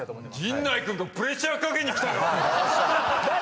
陣内君がプレッシャーかけにきたよ！